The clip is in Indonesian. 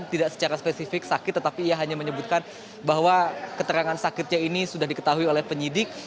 tidak secara spesifik sakit tetapi ia hanya menyebutkan bahwa keterangan sakitnya ini sudah diketahui oleh penyidik